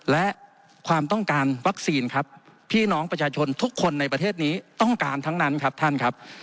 และความต้องการวัคซีนครับพี่น้องประชาชนทุกคนในประเทศนี้ต้องการทั้งนั้นครับท่านครับ